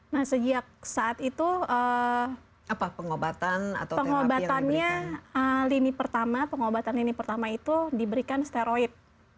nah sejak saat itu pengobatan lini pertama itu diberikan steroid